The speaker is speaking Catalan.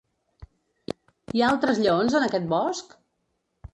Hi ha altres lleons en aquest bosc?